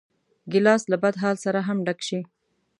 ګیلاس له بدحال سره هم ډک شي.